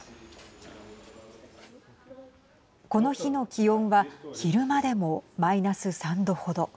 この日の気温は昼間でもマイナス３度程。